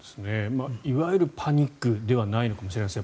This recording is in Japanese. いわゆるパニックではないのかもしれないですね。